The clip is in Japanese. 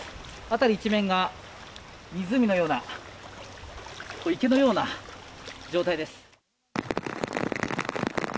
辺り一面が、湖のような池のような状態です。